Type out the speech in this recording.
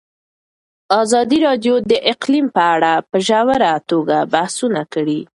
ازادي راډیو د اقلیم په اړه په ژوره توګه بحثونه کړي.